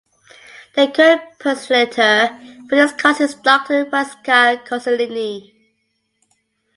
The current postulator for this cause is Doctor Francesca Consolini.